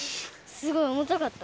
すごいおもたかった。